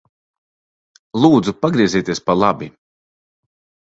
Lūdzu pagriezieties pa labi.